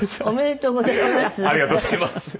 おめでとうございます。